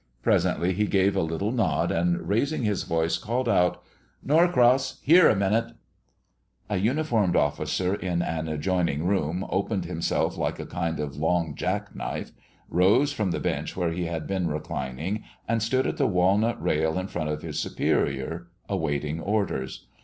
Presently he gave a little nod, and raising his voice, called out, "Norcross, here a minute!" A uniformed officer in an adjoining room opened himself like a kind of long jack knife, rose from the bench where he had been reclining and stood at the walnut rail in front of his superior, awaiting orders.